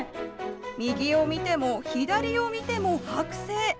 右を見ても左を見てもはく製。